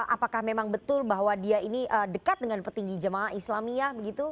apakah memang betul bahwa dia ini dekat dengan petinggi jamaah islam ya